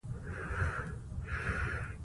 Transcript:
منی د افغان کورنیو د دودونو مهم عنصر دی.